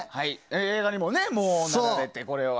映画にもなって、これは。